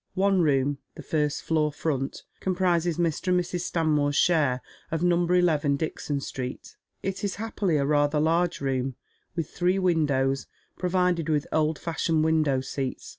One room, the firtjt floor front, comprises LIr. and Mrs. Stanmore's share of nmnber eleven, Dixon Sti'eet. It is happily a rather large room, \w\\.h. three windows, provided with old fashioned window seats.